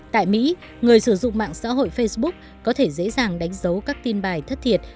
tại mỹ người sử dụng mạng xã hội facebook có thể dễ dàng đánh dấu các tin bài thất thiệt